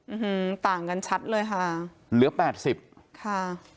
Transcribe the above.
อืมต่างกันชัดเลยค่ะเหลือแปดสิบค่ะ